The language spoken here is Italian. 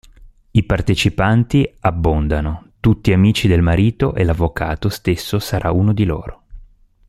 I partecipanti abbondano, tutti amici del marito e l'avvocato stesso sarà uno di loro.